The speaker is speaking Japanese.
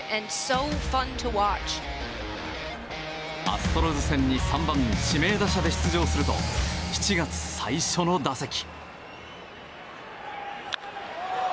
アストロズ戦に３番指名打者で出場すると７月最初の打席。